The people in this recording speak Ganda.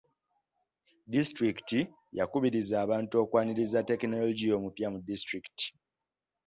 Disitulikiti yakubiriza abantu okwaniriza tekinologiya omupya mu disitulikiti.